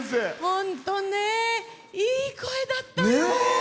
本当ねいい声だったよー！